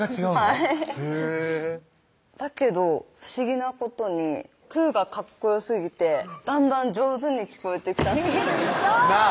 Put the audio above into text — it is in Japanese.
はいだけど不思議なことにくーがかっこよすぎてだんだん上手に聞こえてきたんですなぁ